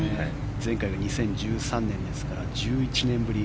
前回が２０１３年ですから１１年ぶり。